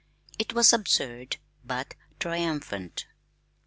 I was absurd but triumphant.